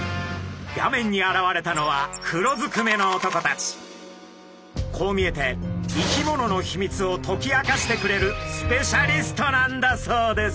画面に現れたのはこう見えて生き物のヒミツを解き明かしてくれるスペシャリストなんだそうです。